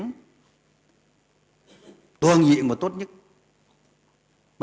đó là những cuộc mâu thuẫn về chính trị những cái chiến tranh về thương mại